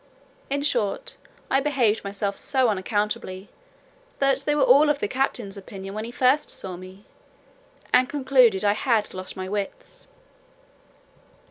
In short, I behaved myself so unaccountably, that they were all of the captain's opinion when he first saw me, and concluded I had lost my wits.